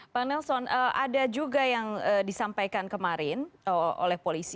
pak nelson ada juga yang disampaikan kemarin oleh polisi